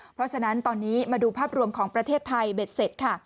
เพราะฉะนั้นตอนนี้มาดูภาพรวมของประเทศไทยเบ็ดเสร็จค่ะ